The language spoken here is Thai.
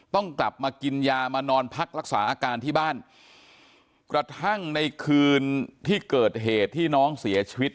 ต้องกลับมากินยามานอนพักรักษาอาการที่บ้านกระทั่งในคืนที่เกิดเหตุที่น้องเสียชีวิต